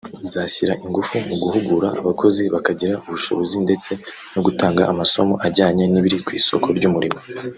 zashyira ingufu mu guhugura abakozi bakagira ubushobozi ndetse no gutanga amasomo ajyanye n’ibiri ku isoko ry’umurimo